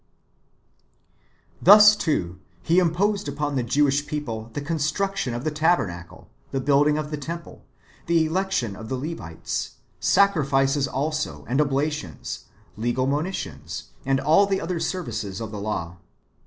Thus, too. He imposed upon the [Jewish] people the construction of the tabernacle, the building of the temple, the election of the Levites, sacrifices also, and oblations, legal monitions, and all the other service of the law.